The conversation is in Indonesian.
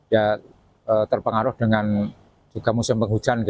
ya terpengaruh dengan juga musim penghujan